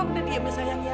udah diam ya sayang